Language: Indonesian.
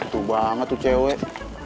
tuh banget tuh cewek